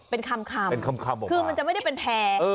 เป็นคำคือมันจะไม่ได้เป็นแพร่